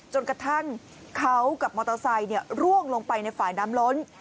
จนกระทั่งเขากับมอเตอร์ไซค์ร่วงลงไปในฝ่ายน้ำล้น